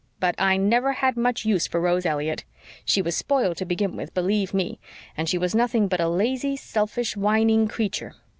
But I never had much use for Rose Elliott. She was spoiled to begin with, believe ME, and she was nothing but a lazy, selfish, whining creature.